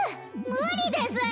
無理です！